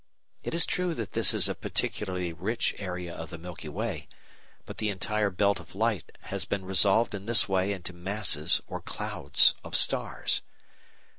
It is true that this is a particularly rich area of the Milky Way, but the entire belt of light has been resolved in this way into masses or clouds of stars.